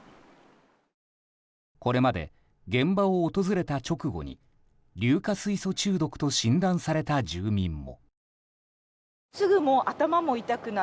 これまで現場を訪れた直後に硫化水素中毒と診断された住民も。